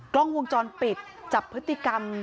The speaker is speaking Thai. กล้องวงจรปิดจับพฤติกรรม